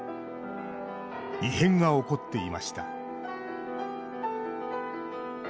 異変が起こっていました。